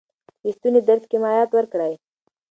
د ستوني درد کې مایعات ورکړئ.